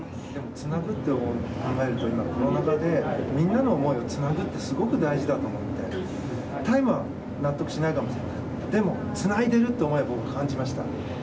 つなぐと考えると今コロナ禍でみんなの思いをつなぐってすごく大事だと思ってタイムは納得してないかもしれませんがでも、つないでいるというのを僕は感じました。